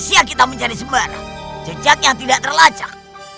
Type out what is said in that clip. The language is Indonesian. kasihan kita menjadi semara jejaknya tidak terlacak